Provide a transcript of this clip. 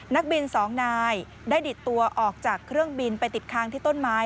นักบินสองนายได้ดิดตัวออกจากเครื่องบินไปติดค้างที่ต้นไม้